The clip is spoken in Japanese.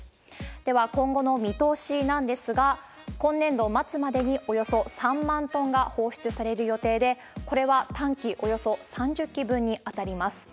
では、今後の見通しなんですが、今年度末までに、およそ３万トンが放出される予定で、これはタンクおよそ３０基分に当たります。